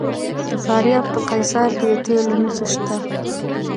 د فاریاب په قیصار کې د تیلو نښې شته.